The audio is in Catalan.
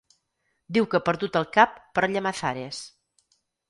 Diu que ha perdut el cap per Llamazares.